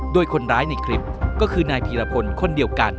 โดยคนร้ายในคลิปก็คือนายพีรพลคนเดียวกัน